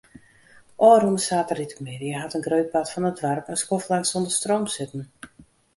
Ofrûne saterdeitemiddei hat in grut part fan it doarp in skoftlang sonder stroom sitten.